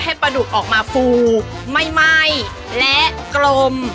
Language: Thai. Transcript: ให้ประดูกออกมาฟูไหม้และกลม